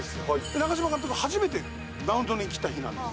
長嶋監督が初めてマウンドに来た日なんです。